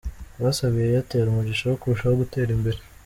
Basabiye Airtel umugisha wo kurushaho gutera imbere.